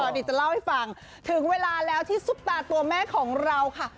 เดี๋ยวจะเล่าให้ฟังถึงเวลาแล้วที่ซุปตาตัวแม่ของเราค่ะ